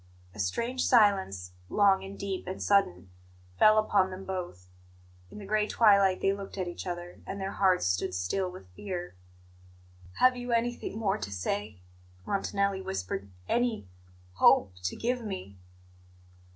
A strange silence, long and deep and sudden, fell upon them both. In the gray twilight they looked at each other, and their hearts stood still with fear. "Have you anything more to say?" Montanelli whispered. "Any hope to give me?"